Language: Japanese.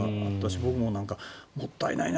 僕も、もったいないな。